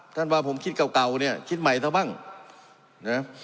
ท่านบ้างผมคิดเก่าเนี่ยคิดใหม่เท่าบ้างนะ